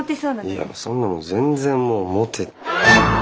いやそんな全然もうモテ。